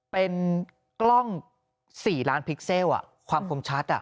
เป็นกล้อง๔ล้านพิกเซลความคมชัด